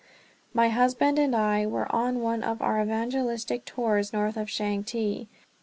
My husband and I were on one of our evangelistic tours north of Changte.